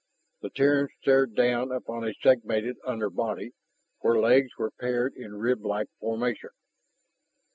The Terran stared down upon a segmented under belly where legs were paired in riblike formation.